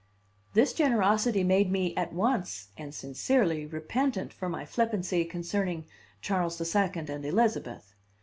This generosity made me at once, and sincerely, repentant for my flippancy concerning Charles the Second and Elizabeth.